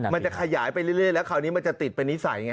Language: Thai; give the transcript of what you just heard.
มันจะขยายไปเรื่อยแล้วคราวนี้มันจะติดเป็นนิสัยไง